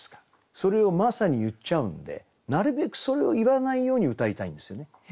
それをまさに言っちゃうんでなるべくそれを言わないようにうたいたいんですよね。